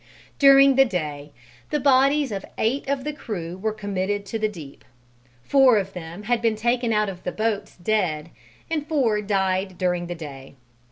During the day, the bodies of eight of the crew were committed to the deep: four of them had been taken out of the boats dead and four died during the day.